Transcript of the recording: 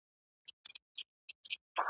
داسي ډېر کسان پردي غمونه ژاړي